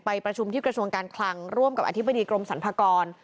ประชุมที่กระทรวงการคลังร่วมกับอธิบดีกรมสรรพากร